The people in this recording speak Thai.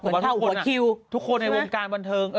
ปรากฏว่าถ้าทุกคนในวงการบรรเทิง